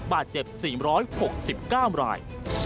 บาดเจ็บ๔๖๙ราย